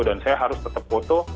dan saya harus tetap foto